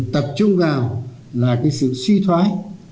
tập trung vào là cái sự suy thoái